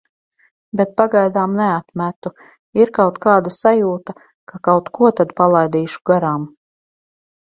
Bet pagaidām neatmetu, ir kaut kāda sajūta, ka kaut ko tad palaidīšu garām.